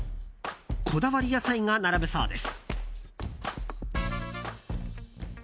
こだわり野菜が並ぶそうです。